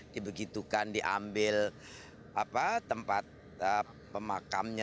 dibegitukan diambil tempat pemakamnya